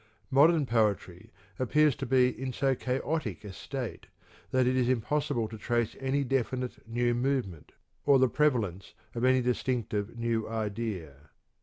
Modern poetry appears to be in so chaotic a state that it is impossible to trace any definite new movement, or the prevalence of any distinctive new idea.